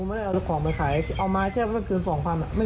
ไม่ได้เอาของไปขายเอามาแค่ไม่เกินสองพันอ่ะ